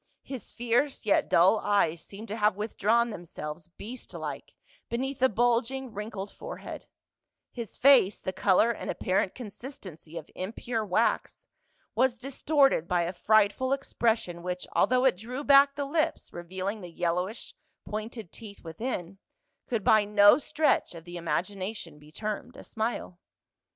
His fierce yet dull eyes seemed to have withdrawn themselves beast like beneath the bulging wrinkled forehead ; his face, the color and apparent consistency of impure wax, was distorted by a frightful expression which, although it drew back the lips revealing the yellowish pointed teeth within, could by no stretch of the imagination be termed a smile.